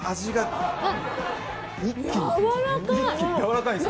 やわらかい！